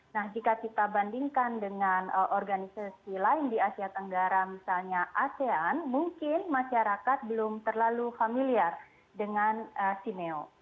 nah jika kita bandingkan dengan organisasi lain di asia tenggara misalnya asean mungkin masyarakat belum terlalu familiar dengan simeo